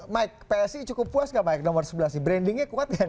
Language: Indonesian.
mike psi cukup puas gak mike nomor sebelas sih brandingnya kuat gak nih